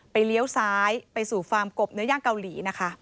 เลี้ยวซ้ายไปสู่ฟาร์มกบเนื้อย่างเกาหลีนะคะ